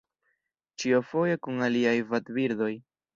Ĉio foje kun aliaj vadbirdoj.